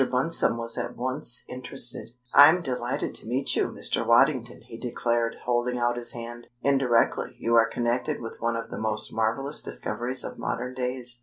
Bunsome was at once interested. "I'm delighted to meet you, Mr. Waddington!" he declared, holding out his hand. "Indirectly, you are connected with one of the most marvelous discoveries of modern days."